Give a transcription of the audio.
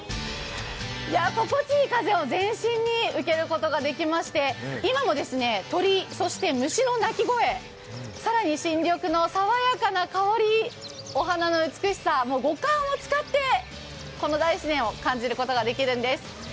心地いい風を全身に受けることができまして今も鳥、虫の鳴き声、さらに新緑の爽やかな香り、お花の美しさ、もう五感を使ってこの大自然を感じることができるんです。